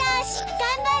頑張れ！